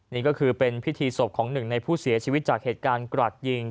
นี่ก็คือเป็นพิธีศพของหนึ่งในผู้เสียชีวิตจากเหตุการณ์กราดยิง